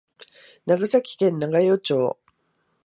長崎県長与町